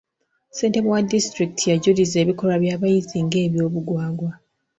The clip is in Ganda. Ssentebe wa disitulikiti yajuliza ebikolwa by'abayizi nga eby'obugwagwa.